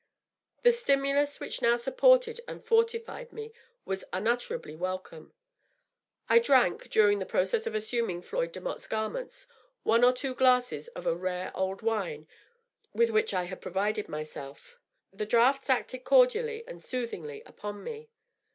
The stimulus which now supported and fortified me was unutterably welcome. I drank, during the process of assuming Floyd Demotte's garments, one or two glasses of a rare old wine with which I had pro vided myself. draughts acted cordially and soothingly upon me.